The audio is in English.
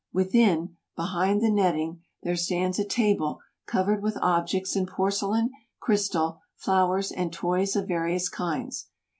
Within, behind the netting, there stands a table covered with objects in porce lain, crystal, flowers, and toys of various kinds.